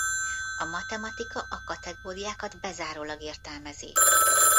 A matematika a kategóriákat bezárólag értelmezi.